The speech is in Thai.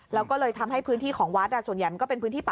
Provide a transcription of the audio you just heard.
ทางผู้ชมพอเห็นแบบนี้นะทางผู้ชมพอเห็นแบบนี้นะ